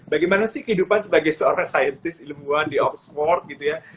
bagaimana sih kehidupan sebagai seorang saintis ilmuwan di oxford gitu ya